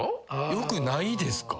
よくないですか？